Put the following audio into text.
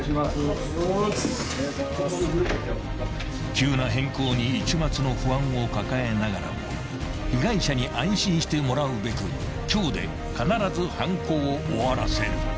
［急な変更に一抹の不安を抱えながらも被害者に安心してもらうべく今日で必ず犯行を終わらせる］